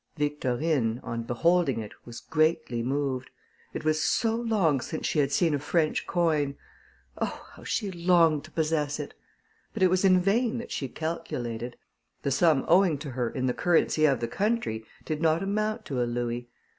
Victorine, on beholding it, was greatly moved; it was so long since she had seen a French coin. Oh! how she longed to possess it! But it was in vain that she calculated; the sum owing to her in the currency of the country did not amount to a louis.